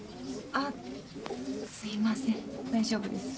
あっすいません大丈夫です。